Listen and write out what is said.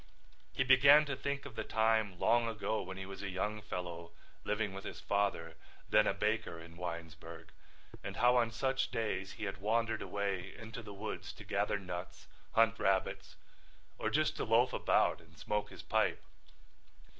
He began to think of the time, long ago when he was a young fellow living with his father, then a baker in Winesburg, and how on such days he had wandered away into the woods to gather nuts, hunt rabbits, or just to loaf about and smoke his pipe.